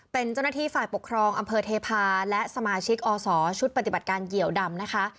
เป็นเจ้าหน้าที่ฝ่ายปกครองอำเภอเทพาและสมาชิกอศชุดปฏิบัติการเหยียวดำนะคะ